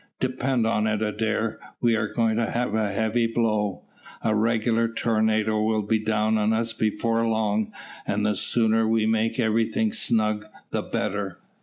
"Depend on it, Adair, we are going to have a heavy blow, a regular tornado will be down on us before long, and the sooner we make everything snug the better."